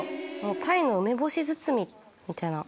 鯛の梅干し包みみたいな。